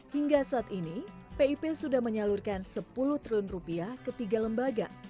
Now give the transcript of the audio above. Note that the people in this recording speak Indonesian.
hingga saat ini pip sudah menyalurkan sepuluh triliun rupiah ke tiga lembaga